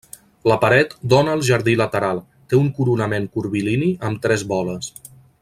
La paret dóna al jardí lateral, té un coronament curvilini amb tres boles.